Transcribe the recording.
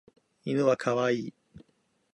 犬は可愛い。